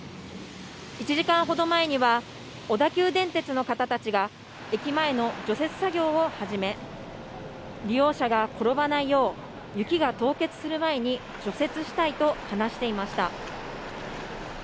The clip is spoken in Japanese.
１時間ほど前には、小田急電鉄の方たちが駅前の除雪作業を始め、利用者が転ばないよう、雪が凍結する前に除雪したいと話していました。